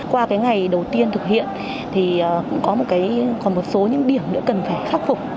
qua ngày đầu tiên thực hiện có một số điểm cần phải khắc phục